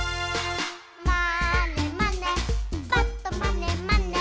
「まーねまねぱっとまねまね」